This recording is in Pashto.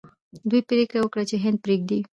دوی پریکړه وکړه چې هند پریږدي.